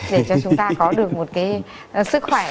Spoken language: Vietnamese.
để cho chúng ta có được một cái sức khỏe